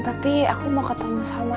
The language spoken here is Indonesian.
tapi aku mau ketemu sama